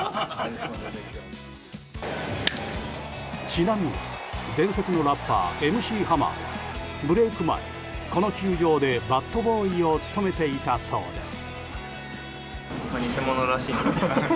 ちなみに、伝説のラッパーＭ．Ｃ．ハマーはブレーク前、この球場でバットボーイを務めていたそうです。